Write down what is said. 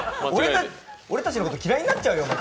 俺たちのこと嫌いになっちゃうよ。